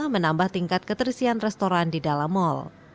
menambah tingkat keterisian restoran di dalam mal